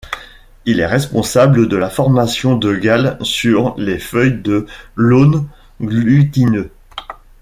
Il est responsable de la formation de galles sur les feuilles de l'aulne glutineux.